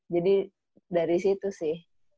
jadi dari situ sih